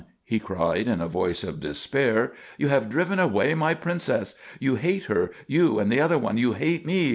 he cried in a voice of despair. "You have driven away my princess! You hate her you and the other one! You hate me!